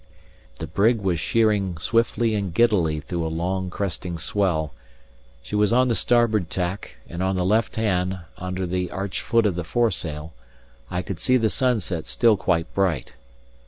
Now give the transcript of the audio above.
The brig was sheering swiftly and giddily through a long, cresting swell. She was on the starboard tack, and on the left hand, under the arched foot of the foresail, I could see the sunset still quite bright.